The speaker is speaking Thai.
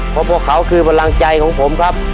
เพราะพวกเขาคือพลังใจของผมครับ